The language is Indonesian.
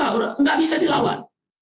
tidak bisa dilawan